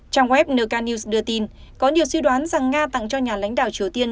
trang web nk news đưa tin có nhiều suy đoán rằng nga tặng cho nhà lãnh đạo triều tiên